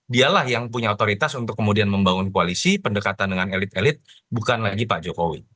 dialah yang punya otoritas untuk kemudian membangun koalisi pendekatan dengan elit elit bukan lagi pak jokowi